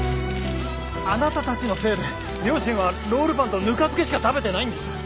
あなたたちのせいで両親はロールパンとぬか漬けしか食べてないんです！